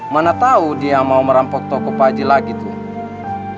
mana tahu dia mau merampok toko paji lagi tuh